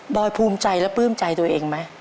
อยภูมิใจและปลื้มใจตัวเองไหม